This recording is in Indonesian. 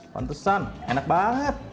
pantusan enak banget